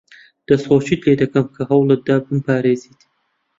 دەستخۆشیت لێ دەکەم کە هەوڵت دا بمپارێزیت.